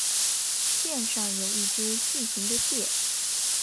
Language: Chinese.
店上有一只巨型的蟹。